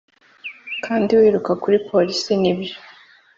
kandi wiruka kuri polisi, nibyo